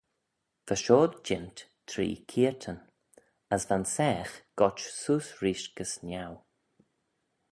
Va shoh jeant three keayrtyn: as va'n saagh goit seose reesht gys niau.